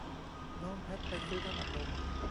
น้องแพทไปซื้อน้ำอัดลม